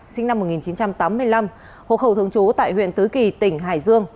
sinh năm một nghìn chín trăm tám mươi năm hộ khẩu thường trú tại huyện tứ kỳ tỉnh hải dương